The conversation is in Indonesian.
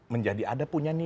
menjadi ada punya nilai lain